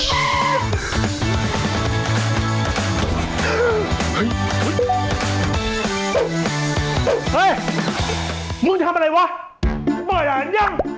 เฮ้ยมึงทำอะไรวะมึงเปิดร้านยัง